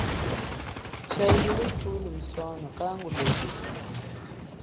Chaile thulo musono kangu lotesa.